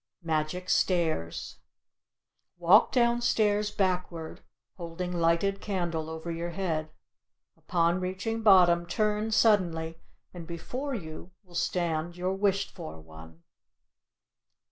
MAGIC STAIRS Walk downstairs backward, holding lighted candle over your head. Upon reaching bottom, turn suddenly and before you will stand your wished for one.